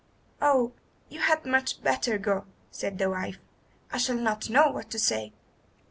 "Oh, you had much better go," said the wife. "I shall not know what to say."